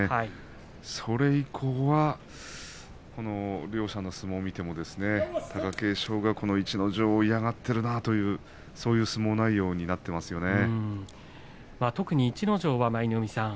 それ以降は貴景勝が逸ノ城を嫌がっているなと、そういう相撲内容になっていますね。